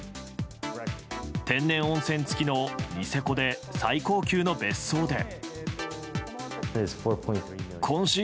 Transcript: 天然温泉付きのニセコで最高級の別荘で。